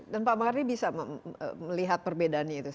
dan pak mardi bisa melihat perbedaannya itu